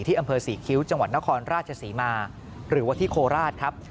อำเภอศรีคิ้วจังหวัดนครราชศรีมาหรือว่าที่โคราชครับ